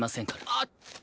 あっ。